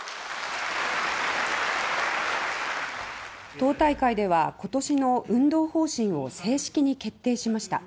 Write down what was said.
党大会では今年の運動方針を正式に決定しました。